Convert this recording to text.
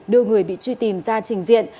đưa người bị truy tìm ra trình diện